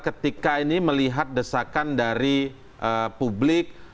ketika ini melihat desakan dari publik